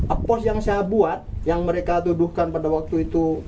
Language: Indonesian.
apost yang saya buat yang mereka tuduhkan pada waktu itu